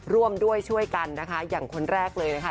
ร่วมด้วยช่วยกันนะคะอย่างคนแรกเลยนะคะ